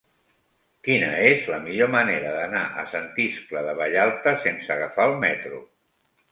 Quina és la millor manera d'anar a Sant Iscle de Vallalta sense agafar el metro?